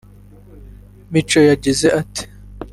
Mico yagize ati